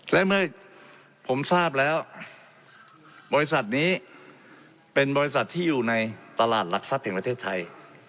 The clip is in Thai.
และเมื่อผมทราบแล้วบริษัทนี้เป็นบริษัทที่อยู่ในตลาดหลักทรัพย์แห่งประเทศไทย